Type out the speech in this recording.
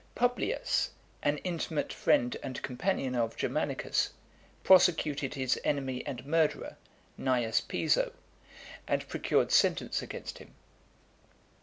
Publius, an intimate friend and companion of Germanicus, prosecuted his enemy and murderer, Cneius Piso, and procured sentence against him.